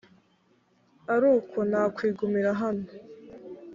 ari uko nakwigumira hano